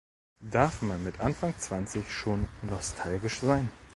Darf man mit Anfang zwanzig schon nostalgisch sein?